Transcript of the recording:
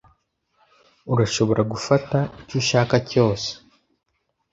Urashobora gufata icyo ushaka cyose.